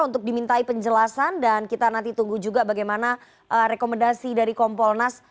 untuk dimintai penjelasan dan kita nanti tunggu juga bagaimana rekomendasi dari kompolnas